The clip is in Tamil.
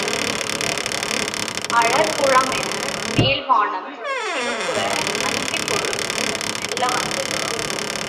அழற்குழம்பென மேல்வானம் சிவப்புற அந்திப் பொழுது மெல்ல வந்தது.